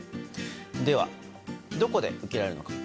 では、どこで受けられるのか。